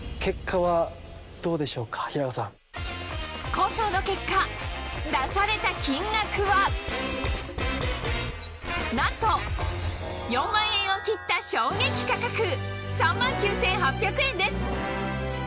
交渉の結果出された金額はなんと４万円を切った衝撃価格３万９８００円